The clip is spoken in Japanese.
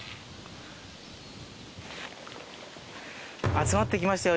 集まって来ましたよ